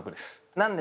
何で？